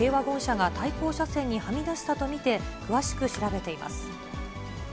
警察は軽ワゴン車が対向車線にはみ出したと見て、詳しく調べています。